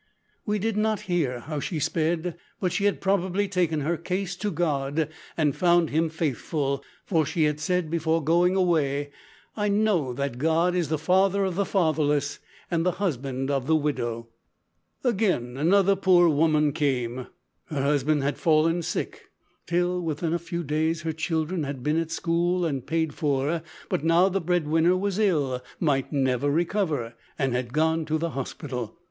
We did not hear how she sped, but she had probably taken her case to God, and found Him faithful, for she had said, before going away, `I know that God is the Father of the fatherless, and the husband of the widow.' "Again, another poor woman came. Her husband had fallen sick. Till within a few days her children had been at a school and paid for, but now the bread winner was ill might never recover and had gone to the hospital.